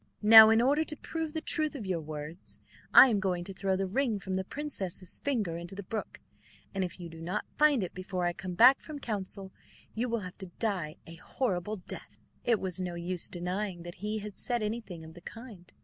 Now, in order to prove the truth of your words, I am going to throw the ring from the princess's finger into the brook, and if you do not find it before I come back from council, you will have to die a horrible death." It was no use denying that he had said anything of the kind.